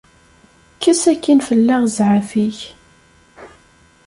Kkes akkin fell-aɣ zzɛaf-ik!